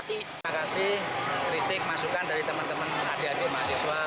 terima kasih kritik masukan dari teman teman adik adik mahasiswa